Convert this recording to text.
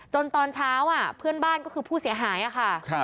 ตอนเช้าเพื่อนบ้านก็คือผู้เสียหายค่ะ